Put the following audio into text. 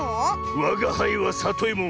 わがはいはさといも。